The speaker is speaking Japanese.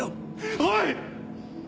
おい！